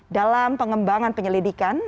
dalam pengembangan penyelidikan